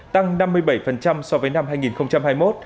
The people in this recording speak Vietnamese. tăng năm mươi bảy so với năm hai nghìn hai mươi một